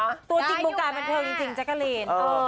ตัวจิตบุกราศมันเธอจริงจักรีน